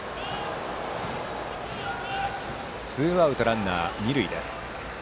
ツーアウトランナー、二塁です。